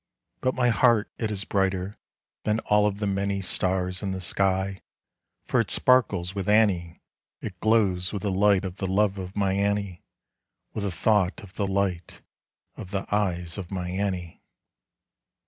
But my heart it is brighterThan all of the manyStars in the sky, For it sparkles with Annie—It glows with the lightOf the love of my Annie—With the thought of the lightOf the eyes of my Annie.